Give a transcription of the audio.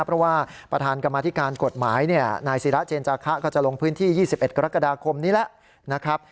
เพราะว่าประธานกรรมธิการกฎหมายนายศิราเจนจาคะก็จะลงพื้นที่๒๑กรกฎาคมนี้แล้วนะครับ